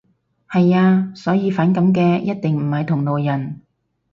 係呀。所以反感嘅一定唔係同路人